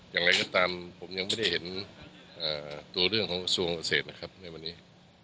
อย่างไรก็ตามผมยังไม่ได้เห็นตัวเรื่องของกระทรวงเกษตรนะครับในวันนี้